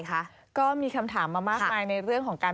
ก็มีคำถามมามากมายในเรื่องของการ